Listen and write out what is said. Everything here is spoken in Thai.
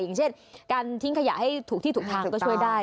อย่างเช่นการทิ้งขยะให้ถูกที่ถูกทางก็ช่วยได้